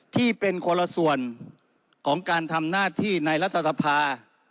ที่เป็นคนละส่วนของการทำหน้าที่ในรัฐสภา